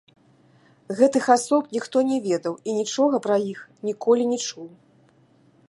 Гэтых асоб ніхто не ведаў і нічога пра іх ніколі не чуў.